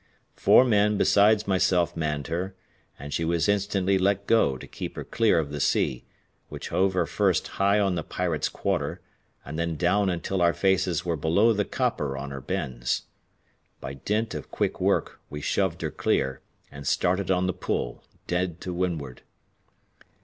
Four men besides myself manned her, and she was instantly let go to keep her clear of the sea, which hove her first high on the Pirate's quarter, and then down until our faces were below the copper on her bends. By dint of quick work we shoved her clear, and started on the pull, dead to windward.